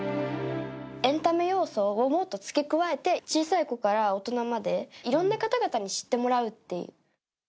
エンタメ要素をもっと付け加えて、小さい子から大人まで、いろんな方々に知ってもらうっていう。